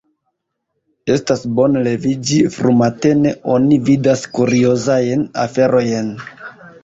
Estas bone leviĝi frumatene: oni vidas kuriozajn aferojn.